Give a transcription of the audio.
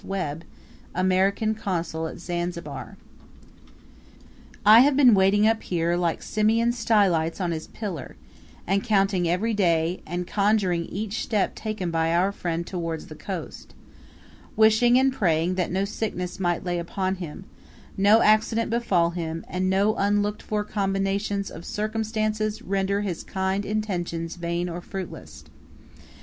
Webb, American Consul at Zanzibar. I have been waiting up here like Simeon Stylites on his pillar, and counting every day, and conjecturing each step taken by our friend towards the coast, wishing and praying that no sickness might lay him up, no accident befall him, and no unlooked for combinations of circumstances render his kind intentions vain or fruitless.